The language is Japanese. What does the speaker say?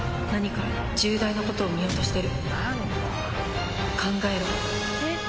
何か重大なことを見落としてる